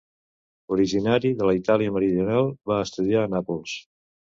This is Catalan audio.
Originari de la Itàlia meridional, va estudiar a Nàpols.